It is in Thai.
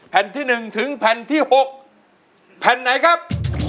แผ่นที่๑ถึงแผ่นที่๖แผ่นไหนครับ